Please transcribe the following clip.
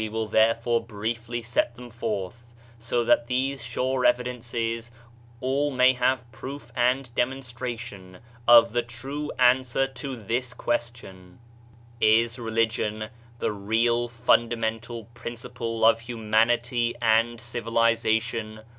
85 Diaiiizedb, Google MYSTERIOUS FORCES therefore briefly set them forth, so that by these sure evidences all may have proof and demonstra tion of the true answer to this question: Js Religion the real fundamental principle of humanity and civilization?